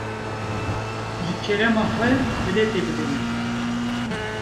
Ji kerema xwe, bilêtê bide min.